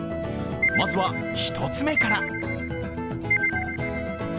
まずは１つ目から。